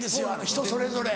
人それぞれ。